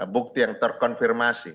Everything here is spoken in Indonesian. bukti yang terkonfirmasi